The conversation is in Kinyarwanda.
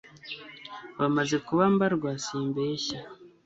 bamaze kuba mbarwa simbeshya